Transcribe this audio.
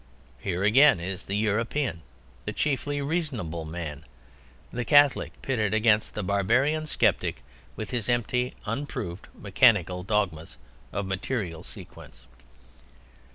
Here again is the European, the chiefly reasonable man, the Catholic, pitted against the barbarian skeptic with his empty, unproved, mechanical dogmas of material sequence.